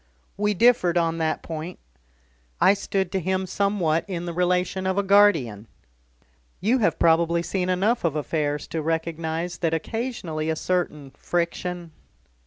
"We differed on that point. I stood to him somewhat in the relation of a guardian. You have probably seen enough of affairs to recognise that occasionally a certain friction